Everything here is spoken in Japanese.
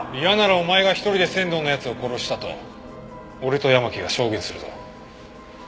嫌ならお前が一人で仙道の奴を殺したと俺と山木が証言するぞ。